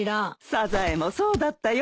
サザエもそうだったよ。